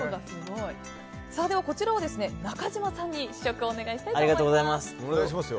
こちらを中島さんに試食をお願いしたいと思います。